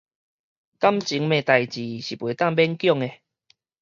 感情的代誌是袂當勉強的